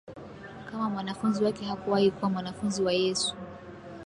kama mwanafunzi wake Hakuwahi kuwa mwanafunzi wa Yesu